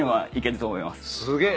すげえ。